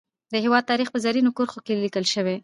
د هیواد تاریخ په زرینو کرښو لیکل شوی.